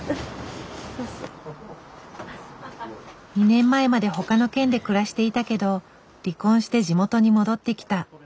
２年前まで他の県で暮らしていたけど離婚して地元に戻ってきた。